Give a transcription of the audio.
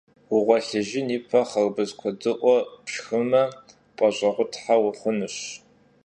Vuğuelhıjjın yipe xharbız kuedı'ue pşşxıme p'eş'eğuthe vuiş'ınuş.